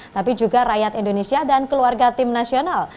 tapi juga rakyat indonesia dan keluarga tim nasional